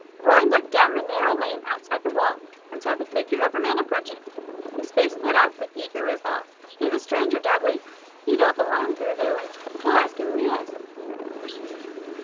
Roy looked down the narrow lane outside the wall, and saw the figure of a man approaching. His face lit up with eager resolve. "He's a stranger, Dudley; he doesn't belong to the village; we'll ask him who he is."